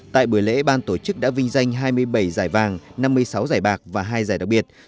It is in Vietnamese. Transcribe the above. hai trăm hai mươi bảy giải vàng năm mươi sáu giải bạc và hai giải đặc biệt